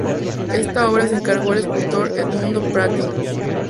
Esta obra se encargó al escultor Edmundo Prati.